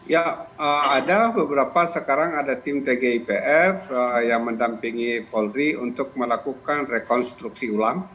ya ada beberapa sekarang ada tim tgipf yang mendampingi polri untuk melakukan rekonstruksi ulang